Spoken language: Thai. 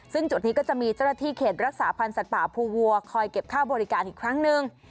ซึ่งจุดนี้ก็จะมีเจ้าหน้าที่เขตรักษาพันธ์สัตว์ป่าภูวัวคอยเก็บค่าบริการอีกครั้งหนึ่ง